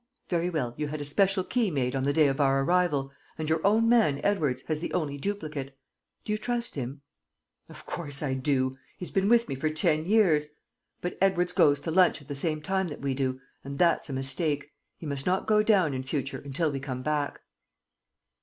Very well. You had a special key made on the day of our arrival: and your own man, Edwards, has the only duplicate. Do you trust him?" "Of course I do! ... He's been with me for ten years! ... But Edwards goes to lunch at the same time that we do; and that's a mistake. He must not go down, in future, until we come back."